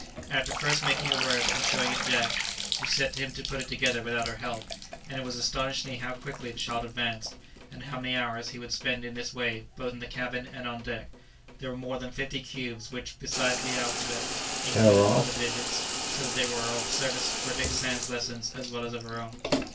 After first making a word and showing it to Jack, she set him to put it together without her help, and it was astonishing how quickly the child advanced, and how many hours he would spend in this way, both in the cabin and on deck. There were more than fifty cubes, which, besides the alphabet, included all the digits; so that they were of service for Dick Sands' lessons as well as for her own.